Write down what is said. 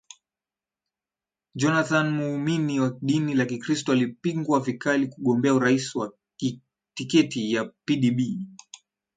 jonathan muumini wa dini ya kikristo alipingwa vikali kugombea urais kwa tiketi ya pdb